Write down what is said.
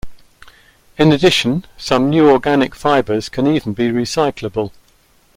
In addition, some new organic fibers can even be recyclable.